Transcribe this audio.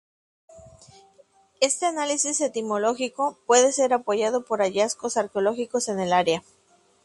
Este análisis etimológico puede ser apoyado por hallazgos arqueológicos en el área.